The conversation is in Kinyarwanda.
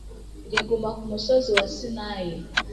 riguma ku musozi wa Sinayi